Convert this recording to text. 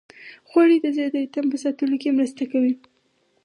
غوړې د زړه د ریتم په ساتلو کې مرسته کوي.